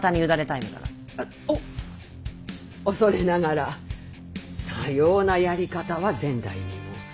お恐れながらさようなやり方は前代未聞。